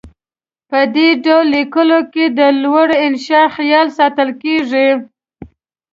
په دې ډول لیکنو کې د لوړې انشاء خیال ساتل کیږي.